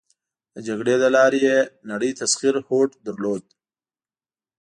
د جګړې له لارې یې نړی تسخیر هوډ درلود.